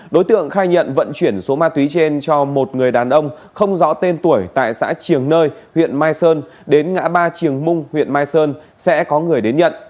đối tượng khai nhận vận chuyển số ma túy trên cho một người đàn ông không rõ tên tuổi tại xã triềng nơi huyện mai sơn đến ngã ba triều mung huyện mai sơn sẽ có người đến nhận